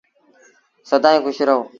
سدائيٚݩ کُش رهو۔